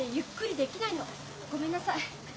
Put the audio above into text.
ごめんなさい。